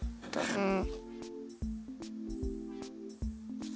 うん。